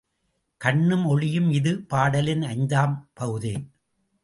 கண்ணும் ஒளியும் இது பாடலின் ஐந்தாம் பகுதி.